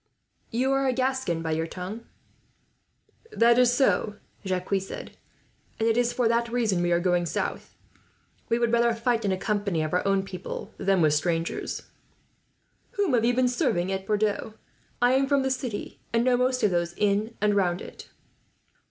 "You are a Gascon, by your tongue?" "That is so," Jacques said; "and it is for that reason we are going south. We would rather fight in a company of our own people than with strangers." "Whom have you been serving at Bordeaux? I am from the city, and know most of those in and round it."